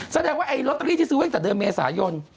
แสดงว่าไอ้ลอตเตอรี่ที่ซื้อตั้งแต่เดือนเมษายน